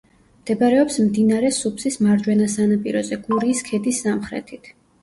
მდებარეობს მდინარე სუფსის მარჯვენა სანაპიროზე, გურიის ქედის სამხრეთით.